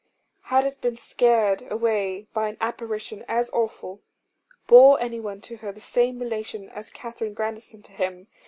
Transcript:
Had it been scared away by an apparition as awful? Bore anyone to her the same relation as Katherine Grandison to him?